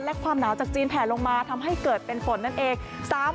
และความหนาวจากจีนแผลลงมาทำให้เกิดเป็นฝนนั่นเอง